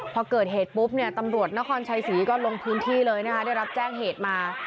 พอเกิดเหตุปุ๊บเนี่ยตำรวจนครชัยศรีก็ลงพื้นที่เลยนะคะได้รับแจ้งเหตุมา